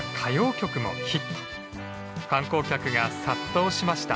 観光客が殺到しました。